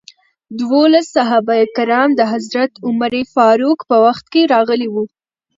دولس صحابه کرام د حضرت عمر فاروق په وخت کې راغلي وو.